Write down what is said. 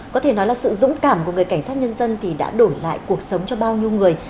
có thể nói là sự dũng cảm của người cảnh sát nhân dân thì đã đổi lại cuộc sống cho bao nhiêu người